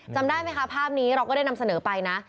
จำได้ไหมคะภาพนี้เราก็ได้นำเสนอไปนะ